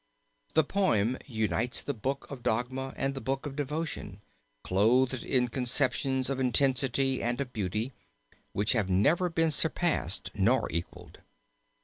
The poem unites the book of Dogma and the book of Devotion, clothed in conceptions of intensity and of beauty which have never been surpassed nor equalled.